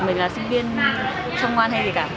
mình là sinh viên trong ngoan hay gì cả